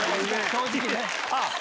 正直ね！